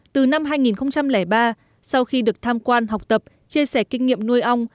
từ năm hai nghìn ba sau khi được tham quan học tập chia sẻ kinh nghiệm nuôi ong